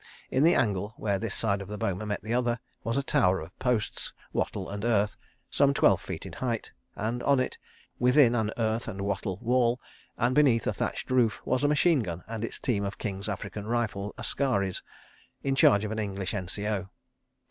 In the angle, where this side of the boma met the other, was a tower of posts, wattle and earth, some twelve feet in height, and on it, within an earth and wattle wall, and beneath a thatched roof, was a machine gun and its team of King's African Rifles askaris, in charge of an English N.C.O.